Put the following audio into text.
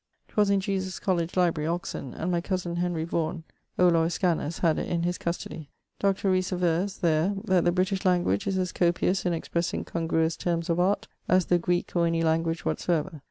'Twas in Jesus College library, Oxon, and my cosen Henry Vaughan (Olor Iscanus) had it in his custody. Dr. Rhees averres there that the British language is as copious in expressing congruous termes of art as the Greeke or any language whatsoever.